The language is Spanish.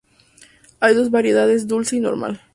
Hay dos variedades dulce y normal.